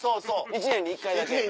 一年に一回だけ。